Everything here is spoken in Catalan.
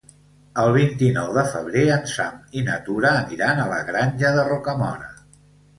El vint-i-nou de febrer en Sam i na Tura aniran a la Granja de Rocamora.